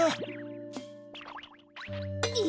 え？